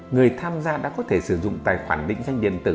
người tham gia đã có thể sử dụng tài khoản định danh điện tử